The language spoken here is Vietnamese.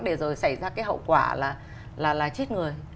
để rồi xảy ra cái hậu quả là chết người